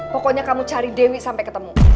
pokoknya kamu cari dewi sampai ketemu